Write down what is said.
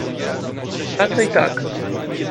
Raczej tak.